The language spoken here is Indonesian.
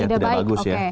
yang tidak bagus ya